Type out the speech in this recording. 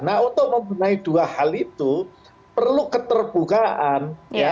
nah untuk membenahi dua hal itu perlu keterbukaan